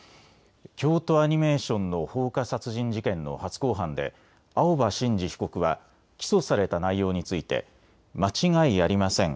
京都アニメーションの放火殺人事件の初公判で青葉真司被告は起訴された内容について間違いありません。